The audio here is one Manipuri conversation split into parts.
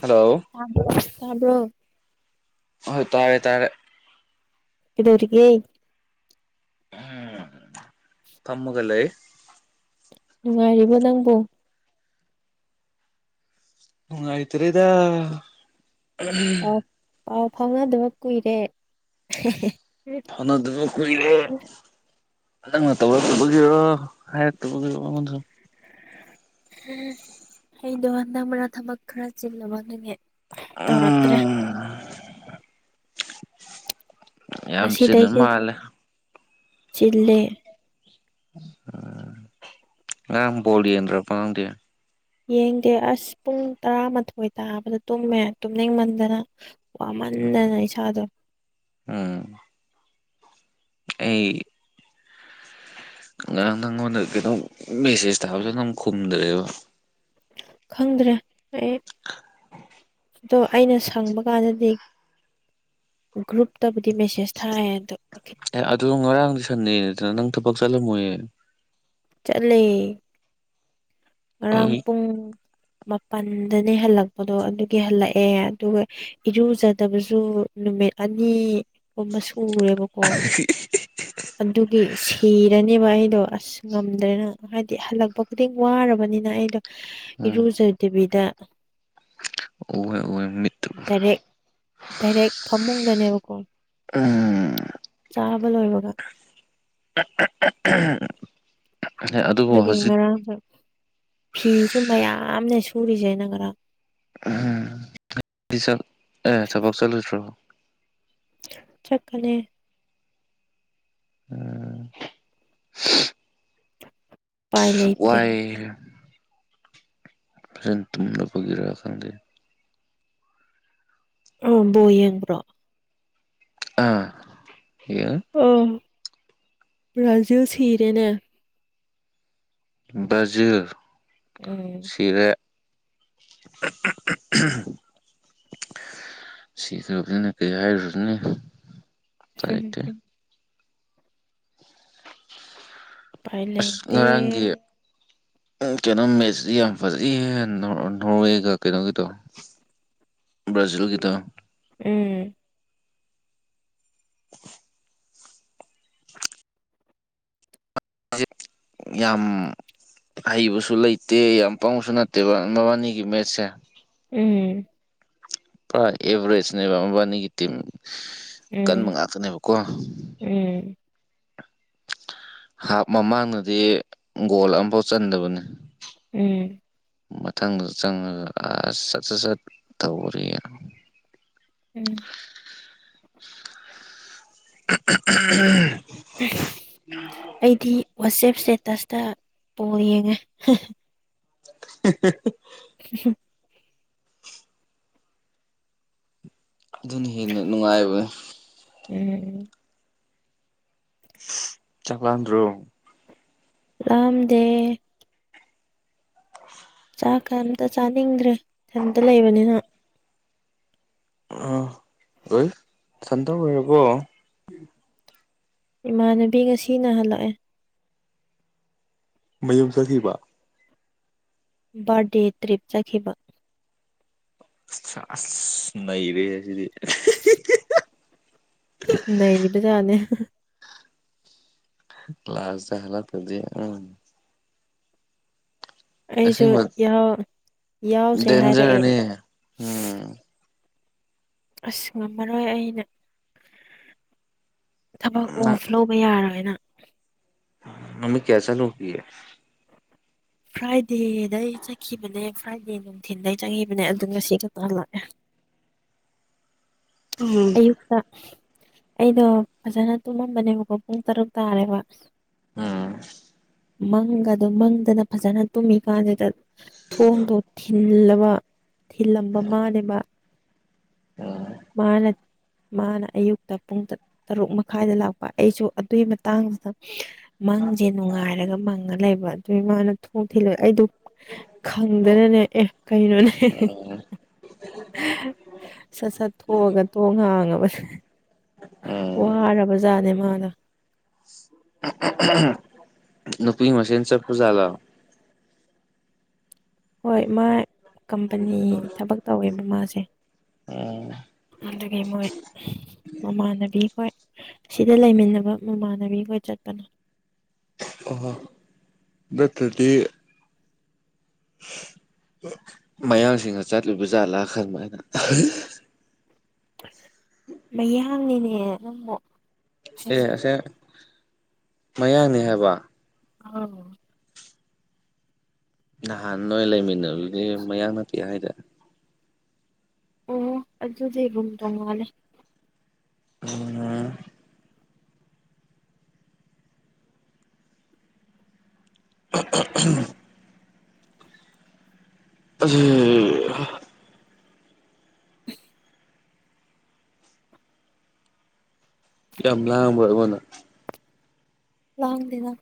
ꯍꯜꯂꯣ ꯇꯕ꯭ꯔꯣ ꯇꯕ꯭ꯔꯣ ꯍꯣꯏ ꯇꯥꯔꯦ ꯇꯥꯔꯦ ꯀꯦꯗꯧꯔꯤꯒꯦ ꯎꯝ ꯐꯝꯃꯒ ꯂꯩ ꯅꯨꯡꯉꯥꯏꯔꯤꯕꯣ ꯅꯪꯕꯣ ꯅꯨꯡꯉꯥꯏꯇ꯭ꯔꯦꯗ ꯎꯝ ꯄꯥꯎ ꯄꯥꯎ ꯐꯥꯎꯅꯗꯕ ꯀꯨꯏꯔꯦ ꯍꯦꯍꯦ ꯐꯥꯎꯅꯗꯕ ꯀꯨꯢꯔꯦ ꯅꯪꯅ ꯇꯧꯔꯛꯇꯒꯤꯔꯣ ꯍꯥꯏꯔꯛꯇꯕ ꯑꯩꯉꯣꯟꯗ ꯑꯩꯗꯣ ꯍꯟꯗꯛ ꯃꯔꯛ ꯊꯕꯛ ꯈꯔ ꯆꯤꯜꯂꯕ ꯑꯗꯨꯒꯤ ꯇꯧꯔꯛꯇ꯭ꯔꯦ ꯎꯝ ꯌꯥꯝ ꯆꯤꯟꯕ ꯉꯁꯤꯗꯩꯗꯤ ꯃꯥꯜꯂꯦ ꯆꯤꯜꯂꯦ ꯉꯔꯥꯡ ꯕꯣꯜ ꯌꯦꯡꯗ꯭ꯔꯕ ꯅꯪꯗꯤ ꯌꯦꯡꯗꯦ ꯑꯁ ꯄꯨꯡ ꯇꯔꯥꯃꯥꯊꯣꯏ ꯇꯥꯕꯗ ꯇꯨꯝꯃꯦ ꯇꯨꯝꯅꯤꯡꯃꯟꯗꯅ ꯋꯥꯃꯟꯗꯅ ꯏꯁꯥꯗꯣ ꯎꯝ ꯑꯩ ꯉꯔꯥꯡ ꯅꯪꯉꯣꯟꯗ ꯀꯩꯅꯣ ꯃꯦꯁꯦꯁ ꯊꯕꯗꯣ ꯅꯪ ꯈꯨꯝꯗ꯭ꯔꯦꯕ ꯈꯪꯗ꯭ꯔꯦ ꯑꯩ ꯑꯗꯣ ꯑꯩꯅ ꯁꯪꯕ ꯀꯥꯟꯗꯗꯤ ꯒ꯭ꯔꯨꯞꯇꯕꯨꯗꯤ ꯃꯦꯁꯦꯁ ꯊꯥꯏ ꯑꯗꯣ ꯑꯦ ꯑꯗꯨ ꯉꯔꯥꯡꯗꯤ ꯁꯟꯗꯦꯅꯤꯗꯅ ꯅꯪ ꯊꯕꯛ ꯆꯠꯂꯝꯃꯣꯏꯌꯦ ꯆꯠꯂꯦ ꯉꯔꯥꯡ ꯑꯩ ꯄꯨꯡ ꯃꯥꯄꯜꯗꯅꯦ ꯍꯜꯂꯛꯄꯗꯣ ꯑꯗꯨꯒꯤ ꯍꯜꯂꯛꯑꯦ ꯑꯗꯨꯒ ꯏꯔꯨꯖꯗꯕꯁꯨ ꯅꯨꯃꯤꯠ ꯑꯅꯤꯒꯨꯝꯕ ꯁꯨꯔꯦꯕꯀꯣ ꯑꯗꯨ ꯑꯗꯨꯒꯤ ꯁꯤꯔꯅꯤꯌꯦꯕ ꯑꯩꯗꯣ ꯑꯁ ꯉꯝꯗ꯭ꯔꯦꯅ ꯍꯥꯏꯗꯤ ꯍꯜꯂꯛꯄ ꯈꯨꯗꯤꯡ ꯋꯥꯔꯕꯅꯤꯅ ꯑꯩꯗꯣ ꯏꯔꯨꯖꯗꯕꯤꯗ ꯎꯌꯦ ꯗꯥꯏꯔꯦꯛ ꯗꯥꯏꯔꯦꯛ ꯐꯃꯨꯡꯗꯅꯦꯕꯀꯣ ꯎꯝ ꯆꯥꯕ ꯂꯣꯏꯕꯒ [inaudible] ꯑꯗꯨꯕꯨ ꯑꯗꯨꯒꯤ ꯍꯧꯖꯤꯛ ꯉꯔꯥꯡꯈꯛ ꯐꯤꯁꯨ ꯃꯌꯥꯝꯅꯦ ꯁꯨꯔꯤꯁꯦ ꯑꯩꯅ ꯉꯔꯥꯡ ꯄꯤꯁꯛ ꯑꯦ ꯊꯕꯛ ꯆꯠꯂꯣꯢꯇ꯭ꯔꯣ ꯆꯠꯀꯅꯤ ꯎꯝ ꯎꯄꯥꯏ ꯂꯩꯇꯦ ꯋꯥꯥꯏꯌꯦ ꯐꯦꯟ ꯇꯨꯝꯅ ꯄꯨꯕꯒꯤꯔ ꯈꯪꯗꯦ ꯑꯧ ꯕꯣꯜ ꯌꯦꯡꯕ꯭ꯔꯣ ꯑꯥ ꯌꯦꯡꯢ ꯑ ꯕ꯭ꯔꯥꯖꯤꯜ ꯁꯤꯔꯦꯅꯦ ꯕ꯭ꯔꯖꯤꯜ ꯎꯝ [unintelligible] ꯁꯤꯇꯧꯗꯅ ꯀꯩ ꯍꯥꯏꯔꯨꯅꯤ ꯎꯄꯥꯢ ꯂꯩꯇꯦ ꯎꯄꯥꯏ ꯑꯁ ꯂꯩꯇꯦ ꯉꯔꯥꯡꯒꯤ [inaudible] ꯑꯪ ꯀꯩꯅꯣ ꯃꯦꯆꯁꯤ ꯌꯥꯝ ꯐꯖꯩꯌꯦ ꯅꯣꯔ ꯅꯣꯔꯋꯦꯒ ꯀꯩꯅꯣꯒꯗꯣ ꯕ꯭ꯔꯥꯖꯤꯜꯒꯤꯗꯣ ꯎꯝ ꯖꯤꯠ ꯌꯥꯝ ꯍꯩꯕꯁꯨ ꯂꯩꯇꯦ ꯌꯥꯝ ꯄꯪꯕꯁꯨ ꯅꯠꯇꯦꯕ ꯃꯕꯥꯟꯅꯤꯒꯤ ꯃꯦꯆꯁꯦ ꯎꯝ ꯄꯨꯔ ꯑꯦꯚ꯭ꯔꯦꯖꯅꯦꯕ ꯃꯕꯥꯟꯅꯤꯒꯤ ꯇꯤꯝ ꯀꯟꯕ ꯎꯝ ꯉꯥꯛꯇꯅꯦꯕꯀꯣ ꯎꯝ ꯍꯥꯞ ꯃꯃꯥꯡꯅꯗꯤ ꯒꯣꯜ ꯑꯝꯐꯥꯎ ꯆꯟꯗꯕꯅꯦ ꯎꯝ ꯃꯊꯪꯗ ꯆꯪꯉꯒ ꯑꯥ ꯁꯠ ꯁꯠ ꯁꯠ ꯇꯧꯔꯤ ꯎꯝ ꯎꯝ ꯑꯩꯗꯤ ꯋꯥꯆꯦꯞ ꯏꯁꯇꯦꯇꯁꯇ ꯕꯣꯜ ꯌꯦꯡꯉꯦ [unintelligible] [unintelligible] [unintelligible] ꯑꯗꯨꯅ ꯍꯦꯟꯅ ꯅꯨꯡꯉꯥꯏꯕ ꯎꯝ ꯆꯥꯛꯂꯥꯝꯗ꯭ꯔꯣ ꯂꯥꯝꯗꯦ ꯆꯥꯛ ꯀ ꯑꯝꯇ ꯆꯥꯅꯤꯡꯗ꯭ꯔꯦ ꯏꯊꯟꯇ ꯂꯩꯕꯅꯤꯅ ꯑꯥ ꯑꯣꯏ ꯅꯊꯟꯗ ꯑꯣꯏꯔꯕꯣ ꯏꯃꯥꯟꯅꯕꯤ ꯉꯁꯤꯅ ꯍꯜꯂꯛꯑꯦ ꯃꯌꯨꯝ ꯆꯠꯈꯤꯕ ꯕꯥꯔꯗꯦ ꯇ꯭ꯔꯤꯞ ꯆꯠꯈꯤꯕ ꯁꯥꯁ ꯅꯩꯔꯦꯍꯦ ꯑꯗꯨꯗꯤ ꯅꯩꯕꯖꯥꯠꯅꯦ ꯂꯥꯁ ꯇ ꯍꯜꯂꯛꯇ꯭ꯔꯗꯤ ꯑꯪ ꯑꯩꯁꯨ ꯑꯁꯦꯡꯕ ꯌꯥꯎ ꯌꯥꯎꯁꯦ ꯍꯥꯏꯔꯛꯑꯦ ꯗꯦꯟꯖꯔꯅꯦ ꯎꯝ ꯑꯁ ꯉꯝꯃꯔꯣꯏ ꯑꯩꯅ ꯊꯕꯛ ꯅꯪ ꯑꯣꯐ ꯂꯧꯕ ꯌꯥꯔꯣꯏꯅ ꯅꯨꯃꯤꯠ ꯀꯌꯥ ꯆꯠꯂꯨꯒꯤ [inaudible] ꯐ꯭ꯔꯥꯏꯗꯦꯗꯩ ꯆꯠꯈꯤꯕꯅꯦ ꯐ꯭ꯔꯥꯏꯗꯦ ꯅꯨꯡꯊꯤꯟꯗꯩ ꯆꯠꯈꯤꯕꯅꯦ ꯑꯗꯨ ꯉꯁꯤ ꯈꯛꯇ ꯍꯜꯂꯛꯑꯦ [inaudible] ꯑꯌꯨꯛꯇ ꯑꯩꯗꯣ ꯐꯖꯅ ꯇꯨꯝꯃꯝꯕꯅꯦꯕꯀꯣ ꯄꯨꯡ ꯇꯔꯨꯛ ꯇꯥꯔꯦꯕ ꯑꯥ ꯃꯪꯒꯗꯣ ꯃꯪꯗꯅ ꯐꯖꯅ ꯇꯨꯝꯃꯤꯀꯥꯟꯗꯨꯗ ꯊꯣꯡꯗꯣ ꯊꯤꯟ ꯊꯤꯜꯂꯕ ꯊꯤꯜꯂꯝꯕ ꯃꯥꯅꯦꯕ ꯃꯥꯅ ꯃꯥꯅ ꯑꯌꯨꯛꯇ ꯄꯨꯡ ꯇꯔꯨꯛ ꯃꯈꯥꯏꯗ ꯂꯥꯛꯄ ꯑꯩꯁꯨ ꯑꯗꯨꯏ ꯃꯇꯥꯡꯗꯨꯗ ꯃꯪꯖꯦ ꯅꯨꯡꯉꯥꯏꯔꯒ ꯃꯪꯉ ꯂꯩꯕ ꯑꯗꯨꯏ ꯃꯥꯅ ꯊꯣꯡ ꯊꯤꯜꯂꯒ ꯑꯩꯗꯣ ꯈꯪꯗꯅꯅꯦ ꯑꯦ ꯀꯩꯅꯣꯅꯦ [unintelligible] [unintelligible] ꯁꯠ ꯁꯠ ꯊꯣꯛꯑꯒ ꯊꯣꯡ ꯍꯥꯡꯉꯕ ꯎꯝ ꯋꯥꯔꯕꯖꯥꯠꯅꯦ ꯃꯥꯗꫭ [unintelligible] ꯅꯨꯄꯤ ꯃꯁꯦꯟ ꯆꯠꯄ ꯖꯥꯠꯂꫭ ꯍꯣꯏ ꯃꯥ ꯀꯝꯄꯅꯤ ꯊꯕꯛ ꯇꯧꯋꯦꯕ ꯃꯥꯁꯦ ꯎꯝ ꯑꯗꯨꯒꯤ ꯃꯣꯏ ꯃꯃꯥꯟꯅꯕꯤꯈꯣꯏ ꯁꯤꯗ ꯂꯩꯃꯤꯟꯅꯕ ꯃꯃꯥꯟꯅꯕꯤ ꯈꯣꯏ ꯆꯠꯄꯅꯦ [unintelligible] ꯅꯠꯇꯗꯤ ꯃꯌꯥꯡꯁꯤꯡꯅ ꯆꯠꯂꯨꯕ ꯖꯥꯠꯂꯥ ꯈꯟꯕ ꯑꯩꯅ ꯃꯌꯥꯡꯅꯤꯅꯦ ꯅꯪꯕꯣ ꯑꯦ ꯑꯁꯦ ꯃꯌꯥꯡꯅꯦ ꯍꯥꯏꯕ ꯑꯧ ꯅꯍꯥꯟ ꯅꯣꯏ ꯂꯩꯃꯤꯟꯅꯔꯨꯗꯤ ꯃꯌꯥꯡ ꯅꯥꯇꯦ ꯍꯥꯏꯗꯥꯏ ꯑꯣ ꯑꯗꯨꯗꯤ ꯔꯨꯝ ꯇꯣꯡꯉꯥꯜꯂꯦ [unintelligible] [unintelligible] ꯑꯗꯨ ꯍꯥ ꯌꯥꯝ ꯂꯥꯡꯕ ꯑꯩꯉꯣꯟꯗ ꯂꯥꯡꯗꯦꯅ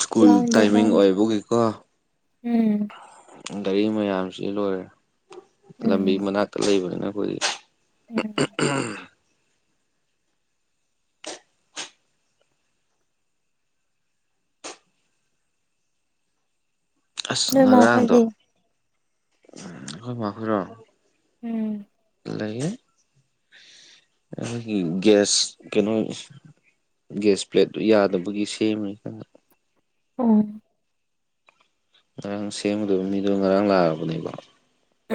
ꯁ꯭ꯀꯨꯜ ꯂꯥꯡꯗꯦ ꯇꯥꯏꯃꯤꯡ ꯂꯥꯡꯗꯦ ꯑꯣꯏꯕꯒꯤꯀꯣ ꯎꯝ ꯒꯥꯔꯤ ꯃꯌꯥꯝꯁꯤ ꯂꯣꯏꯔꯦ ꯎꯝ ꯂꯝꯕꯤ ꯃꯅꯥꯛꯇ ꯂꯩꯕꯅꯤꯅ ꯑꯈꯣꯏꯗꯤ [unintelligible] ꯑꯁ ꯅꯣꯏ ꯃꯥ ꯉꯔꯥꯡꯗꯣ ꯈꯣꯏꯗꯤ ꯎꯝ ꯈꯣꯏꯃꯥꯈꯣꯢꯔꯣ ꯎꯝ ꯂꯦꯌꯦ ꯑꯩꯒꯤ ꯒꯦꯁ ꯀꯩꯅꯣ ꯒꯦꯁ ꯄ꯭ꯂꯦꯠꯇꯨ ꯌꯥꯗꯕꯒꯤ ꯁꯦꯝꯃꯤ ꯀꯟꯅ ꯎꯝ ꯉꯔꯥꯡ ꯁꯦꯝꯒꯗꯕ ꯃꯤꯗꯣ ꯉꯔꯥꯡ ꯂꯥꯛꯑꯕꯅꯦꯕꯣ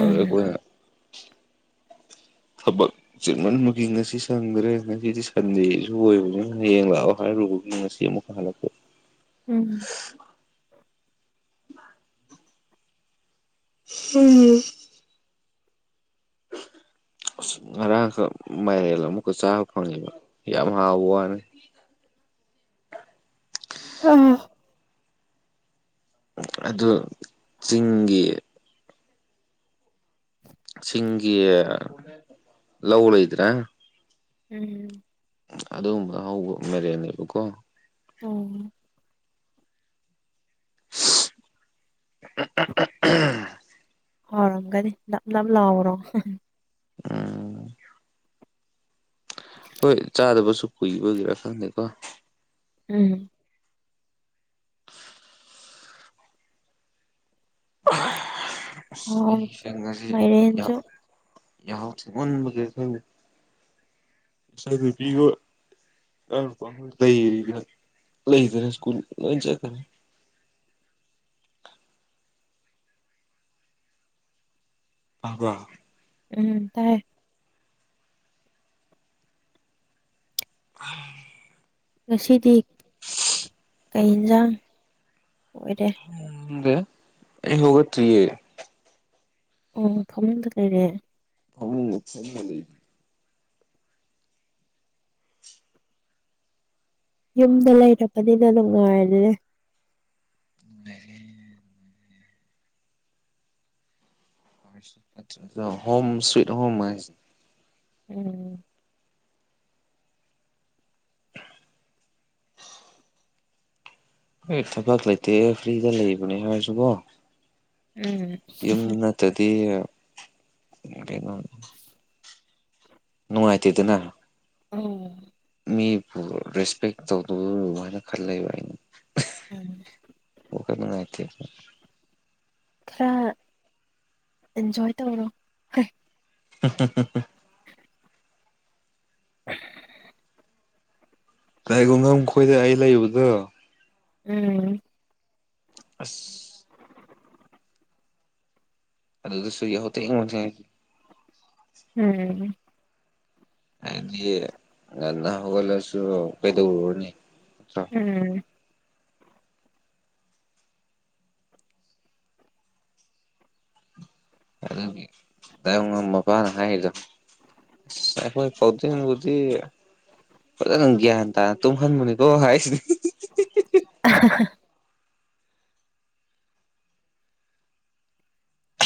ꯑꯗꯨꯗ ꯈꯣꯏꯅ [inaudible] ꯊꯕꯛ ꯆꯤꯟꯃꯟꯕꯒꯤ ꯉꯁꯤ ꯁꯪꯗ꯭ꯔꯦ ꯉꯁꯤꯗꯤ ꯁꯟꯗꯦꯖꯨ ꯑꯣꯏꯕꯅꯤꯅ ꯍꯌꯦꯡ ꯂꯥꯛꯑꯣ ꯍꯥꯏꯔꯨꯕꯒꯤ ꯉꯥꯁꯤ ꯑꯃꯨꯛꯀ ꯍꯥꯂꯛꯇꯨꯏ ꯎꯝ [unintelligible] [inaudible] ꯑꯁ ꯉꯔꯥꯡ ꯈꯛ ꯃꯥꯏꯔꯦꯜ ꯑꯃꯨꯛꯀ ꯆꯥꯕ ꯐꯪꯉꯦꯕ ꯌꯥꯝ ꯍꯥꯎꯕ ꯋꯥꯅꯤ ꯑꯥ ꯑꯗꯨ ꯆꯤꯡꯒꯤ ꯆꯤꯡꯒꯤ ꯂꯧ ꯂꯩꯗꯅ ꯎꯝ ꯑꯗꯨꯒꯨꯝꯕ ꯍꯧꯕ ꯃꯥꯏꯔꯦꯟꯅꯦꯕꯀꯣ ꯑꯣ ꯍꯥꯎꯔꯝꯒꯅꯤ ꯅꯞ ꯅꯞ ꯂꯥꯎꯕ꯭꯭ꯔꯣ [unintelligible] ꯎꯝ ꯍꯣꯏ ꯆꯥꯗꯕꯁꯨ ꯀꯨꯏꯕꯒꯤꯔꯥ ꯈꯪꯗꯦꯀꯣ ꯎꯝ ꯑꯁ ꯍꯥꯎ ꯑꯩꯁꯦ ꯉꯁꯤ ꯃꯥꯏꯔꯦꯟꯖꯨ ꯌꯥꯍꯧ ꯊꯦꯡꯃꯟꯕꯒꯤꯔ ꯈꯪꯗꯦ ꯉꯥꯁꯥꯏ ꯕꯦꯕꯤ ꯈꯣꯏ [unintelligible] ꯁ꯭ꯀꯨꯜ ꯂꯣꯏ ꯆꯠꯈꯔꯦ [inaudible] ꯇꯕ꯭ꯔ ꯎꯝ ꯇꯥꯏꯌꯦ ꯑꯍꯝ ꯉꯁꯤꯗꯤ ꯀꯩ ꯏꯟꯖꯥꯡ ꯈꯪꯗꯦ ꯑꯩ ꯍꯧꯒꯠꯇ꯭ꯔꯤꯌꯦ ꯑꯣ ꯐꯃꯨꯡꯗ ꯂꯩꯔꯦ ꯐꯃꯨꯡꯗ ꯐꯝꯃ ꯂꯩ ꯌꯨꯝꯗ ꯂꯩꯔꯕꯅꯤꯅ ꯅꯨꯡꯉꯥꯏꯔꯦ ꯅꯨꯡꯉꯥꯏꯔꯦ ꯅꯨꯡꯉꯥꯏꯔꯦ [unintelligible] ꯍꯣꯝ ꯁ꯭ꯋꯤꯠ ꯍꯣꯝ ꯍꯥꯏꯖꯦ ꯎꯝ ꯑꯩ ꯊꯕꯛ ꯂꯩꯇꯦ ꯐ꯭ꯔꯤꯗ ꯂꯩꯕꯅꯦ ꯍꯥꯏꯔꯁꯨꯀꯣ ꯎꯝ ꯌꯨꯝ ꯅꯠꯇꯗꯤ ꯀꯩꯅꯣ ꯅꯨꯡꯉꯥꯏꯇꯦꯗꯅ ꯑꯧ ꯃꯤꯕꯨ ꯔꯦꯁꯄꯦꯛ ꯇꯧꯗꯕ [unintelligible] ꯑꯩꯅ ꯋꯥꯈꯜ [unintelligible] [inaudible] ꯈꯔ ꯏꯟꯖꯣꯏ ꯇꯧꯔꯣ [unintelligible] [unintelligible] [inaudible] ꯇꯥꯏꯒꯣꯉꯝ ꯈꯣꯏꯗ ꯑꯩ ꯂꯩꯕꯗꯣ ꯎꯝ ꯑꯁ ꯑꯗꯨꯗꯁꯨ ꯌꯥꯍꯧ ꯊꯦꯡ [unintelligible] ꯎꯝ ꯍꯥꯏꯗꯤ ꯉꯟꯅ ꯍꯧꯒꯠꯂꯁꯨ ꯀꯩꯗꯧꯔꯨꯅꯤ ꯎꯝ ꯑꯗꯨꯒꯤ [unintelligible] ‌ ꯃꯄꯥꯅ ꯍꯥꯏꯗꫭ ꯑꯩꯈꯣꯏ ꯀꯥꯎꯗꯤꯟꯕꯨꯗꯤ ꯐꯖꯅ ꯒ꯭ꯌꯥꯟ ꯇꯥꯅ ꯇꯨꯝꯍꯟꯕꯅꯤꯀꯣ ꯍꯥꯏꯁꯤꯅꯤ [unintelligible]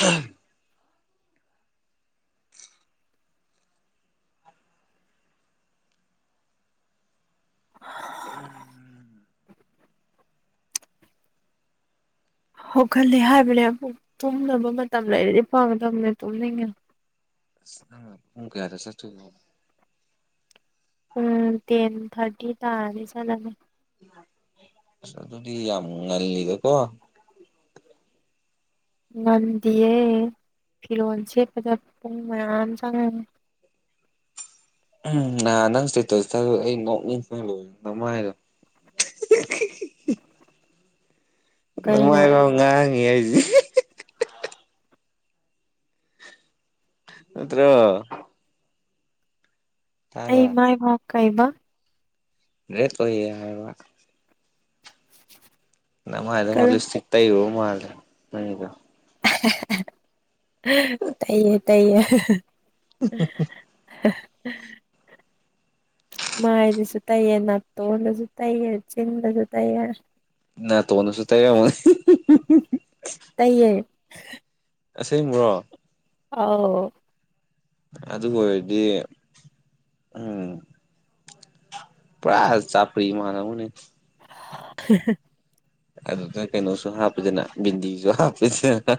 ꯑꯍꯝ ꯍꯧꯒꯠꯂꯦ ꯍꯥꯏꯕꯅꯦ ꯑꯃꯨꯛ ꯇꯨꯝꯅꯕ ꯃꯇꯝ ꯂꯩꯔꯗꯤ ꯐꯒꯗꯝꯅꯦ ꯇꯨꯝꯅꯤꯡꯉꯦ ꯑꯁ ꯅꯪ ꯄꯨꯡ ꯀꯌꯥꯗ ꯆꯠꯇꯣꯏꯅꯣ ꯎꯝ ꯇꯦꯟ ꯊꯥꯔꯇꯤ ꯇꯥꯔꯗꯤ ꯆꯠꯂꯅꯤ ꯑꯗꯨꯗꯤ ꯌꯥꯝ ꯉꯜꯂꯤꯗꯀꯣ ꯉꯟꯗꯤꯌꯦ ꯐꯤꯔꯣꯜ ꯁꯦꯠꯄꯗ ꯄꯨꯡ ꯃꯌꯥꯝ ꯆꯪꯉꯅꯤ [inaudible] ꯎꯝ ꯅꯍꯥꯟ ꯅꯪ ꯏꯁꯇꯦꯇꯁꯇ ꯑꯩ ꯅꯣꯛꯅꯤꯡꯕꯅ ꯂꯣꯏ [unintelligible] ꯃꯥꯏꯗꫭ [inaudible] ꯀꯩꯅꯣ ꯅꯃꯥꯏꯗꯣ ꯉꯥꯡꯉꯤ [unintelligible] ꯅꯠꯇ꯭ꯔꯣ ꯑꯩ ꯇꯥꯕ꯭ꯔꯥ ꯃꯥꯏ ꯐꯥꯎ ꯀꯩꯕ ꯔꯦꯠ ꯑꯣꯏꯌꯦ ꯍꯥꯏꯕ ꯅꯃꯥꯥꯏꯗꯣ ꯀꯔꯝ ꯂꯤꯞꯁꯇꯤꯛ ꯇꯩꯔꯨꯕ ꯃꯥꯜꯂꯤ ꯅꯪꯒꯤꯗꯣ ꯇꯩꯌꯦ ꯇꯩꯌꯦ ꯎꯝ [unintelligible] ꯃꯥꯏꯗꯁꯨ ꯇꯩꯌꯦ ꯅꯥꯠꯇꯣꯟꯗꯁꯨ ꯇꯩꯌꯦ ꯆꯤꯟꯗꯁꯨ ꯇꯩꯌꯦ ꯅꯥꯇꯣꯅꯗꯁꯨ ꯇꯩꯔꯃꯒꯅꯤ [unintelligible] ꯇꯩꯌꯦ ꯑꯁꯦꯡꯕ꯭ꯔꯣ ꯑꯧ ꯑꯗꯨ ꯑꯣꯏꯔꯗꯤ ꯎꯝ ꯄꯨꯔꯥ ꯆꯥꯞꯄ꯭ꯔꯤ ꯃꯥꯜꯂꯝꯒꯅꯤ [unintelligible] ꯑꯗꯨꯗ ꯀꯩꯅꯣꯁꯨ ꯍꯥꯞꯄꯤꯗꯅ ꯕꯤꯟꯗꯤꯁꯨ ꯍꯥꯞꯄꯤꯗꯅ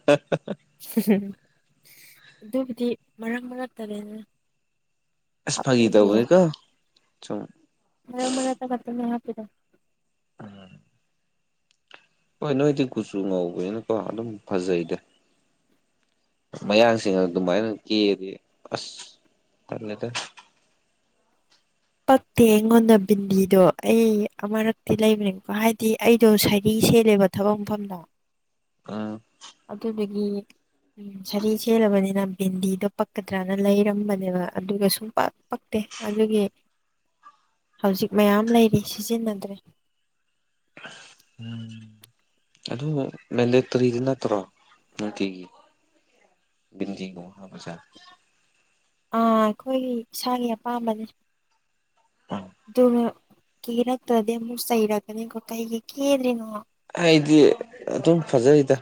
ꯑꯗꯨꯕꯨꯗꯤ ꯃꯔꯛ ꯃꯔꯛ ꯇꯥꯅꯦꯅꯦ ꯑꯦꯁ ꯐꯥꯒꯤ ꯇꯧꯕꯅꯦꯀꯣ ꯁꯨꯝ ꯃꯔꯛ ꯃꯔꯛꯇ ꯈꯛꯇꯅꯦ ꯍꯥꯄꯤꯗꯣ ꯎꯝ ꯍꯣꯏ ꯅꯣꯏꯗꯤ ꯀꯨꯆꯨ ꯉꯧꯕꯅꯤꯅꯀꯣ ꯑꯗꯨꯝ ꯐꯖꯩꯗ ꯃꯌꯥꯡꯁꯤꯡ ꯑꯗꯨꯃꯥꯏꯅ ꯀꯦ ꯑꯗꯤ ꯑꯁ ꯇꯜꯂꯦꯗ ꯄꯛꯇꯦ ꯑꯩꯉꯣꯟꯗ ꯕꯤꯟꯗꯤꯗꯣ ꯑꯩ ꯑꯃꯨꯔꯛꯇꯤ ꯂꯩꯕꯅꯤꯀꯣ ꯍꯥꯏꯗꯤ ꯑꯩꯗꯣ ꯁꯔꯤ ꯏꯁꯩ ꯂꯩꯕ ꯊꯕꯛ ꯃꯐꯝꯗ ꯑꯥ ꯑꯗꯨꯗꯨꯒꯤ ꯎꯝ ꯁꯥꯔꯤ ꯁꯦꯠꯂꯕꯅꯤꯅ ꯕꯤꯟꯗꯤꯗꯣ ꯄꯛꯀꯗ꯭ꯔꯅ ꯂꯩꯔꯝꯕꯅꯦꯕ ꯑꯗꯨꯒ ꯁꯨꯡꯄꯛ ꯄꯛꯇꯦ ꯑꯗꯨꯒꯤ ꯍꯧꯖꯤꯛ ꯃꯌꯥꯝ ꯂꯩꯔꯤ ꯁꯤꯖꯤꯟꯅꯗ꯭ꯔꯦ ꯎꯝ ꯃꯦꯟꯗꯦꯇꯔꯤꯗꯤ ꯅꯠꯇ꯭ꯔꯣ ꯅꯨꯡꯇꯤꯒꯤ ꯕꯤꯟꯗꯤꯒꯨꯝ ꯍꯥꯞꯄꯁꯦ ꯑꯥ ꯑꯩꯈꯣꯏꯒꯤ ꯏꯁꯥꯒꯤ ꯑꯄꯥꯝꯕꯅꯤ ꯑꯗꯨꯒ ꯀꯦꯔꯛꯇ꯭ꯔꯗꯤ ꯑꯃꯨꯛ ꯆꯩꯔꯛꯒꯅꯦ ꯀꯣ ꯀꯩꯒꯤ ꯀꯦꯗ꯭ꯔꯤꯅꯣ ꯑꯩꯗꯤ ꯑꯗꯨꯝ ꯐꯖꯩꯗ